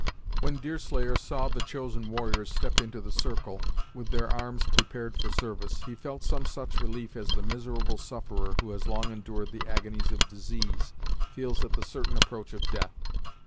When Deerslayer saw the chosen warriors step into the circle, with their arms prepared for service, he felt some such relief as the miserable sufferer, who has long endured the agonies of disease, feels at the certain approach of death.